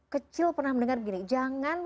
kecil pernah mendengar gini jangan